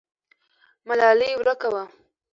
ملالۍ ورکه وه.